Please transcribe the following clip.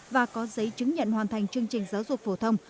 và có giấy chứng nhận hoàn thành chương trình giáo dục phổ thông